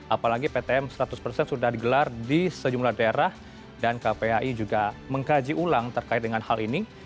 apalagi ptm seratus persen sudah digelar di sejumlah daerah dan kpai juga mengkaji ulang terkait dengan hal ini